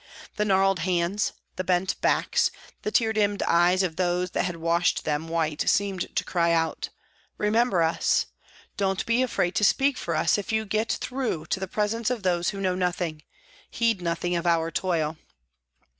The gnarled hands, the bent backs, the tear dimmed eyes of those that had washed them white seemed to cry out, " Remember us. Don't be afraid to speak for us if you get through to the presence of those who know nothing, heed nothing of our toil."